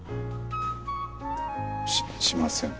ししません。